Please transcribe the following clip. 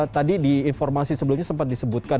tadi di informasi sebelumnya sempat disebutkan